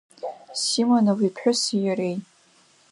Симонов иԥҳәыси иареи.